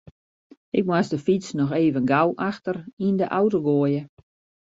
Ik moast de fyts noch even gau achter yn de auto goaie.